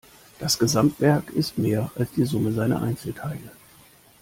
Das Gesamtwerk ist mehr als die Summe seiner Einzelteile.